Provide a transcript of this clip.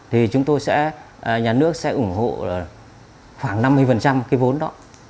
thì nhà nước sẽ ủng hộ khoảng năm mươi cái vốn đó